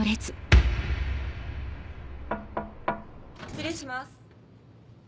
失礼します。